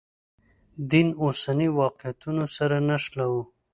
دین اوسنیو واقعیتونو سره نښلوو.